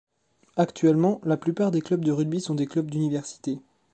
Actuellement la plupart des clubs de rugby sont des clubs d'université.